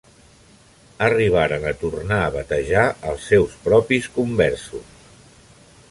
Arribaren a tornar a batejar els seus propis conversos.